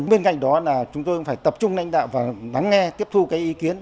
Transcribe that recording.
bên cạnh đó là chúng tôi phải tập trung nãnh đạo và lắng nghe tiếp thu ý kiến